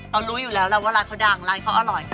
รู้อยู่แล้วแล้วว่าร้านเขาดังร้านเขาอร่อย